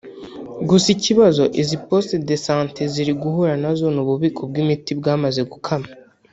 Gusa ikibazo izi Poste de Sante ziri guhura nazo ni ububiko bw’imiti bwamaze gukama